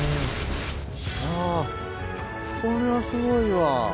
あぁこれはすごいわ。